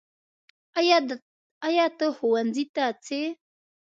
ایا ته ښؤونځي ته څې؟